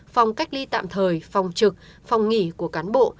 phòng cách ly tạm thời phòng trực phòng nghỉ của cán bộ